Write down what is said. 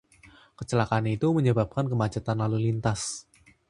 Kecelakaan itu menyebabkan kemacetan lalu lintas.